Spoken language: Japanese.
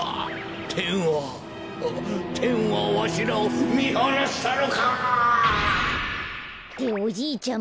てんはてんはわしらをみはなしたのか！っておじいちゃん